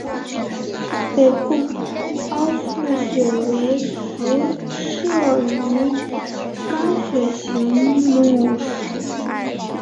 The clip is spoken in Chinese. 北部凹腹鳕为辐鳍鱼纲鳕形目鼠尾鳕科凹腹鳕属的鱼类。